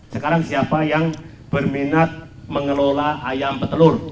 sekarang siapa yang berminat mengelola ayam petelur